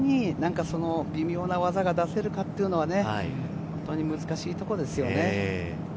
こういう土壇場に微妙な技が出せるかっていうのは、本当に難しいところですよね。